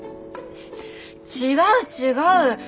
違う違う！